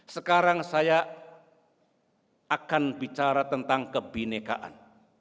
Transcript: sekarang saya akan bicara tentang kebinekaan